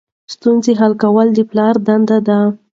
ستونزې حل کول د پلار دنده ده.